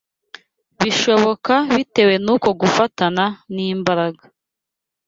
bishoboka bitewe n’uko gufatana n’imbaraga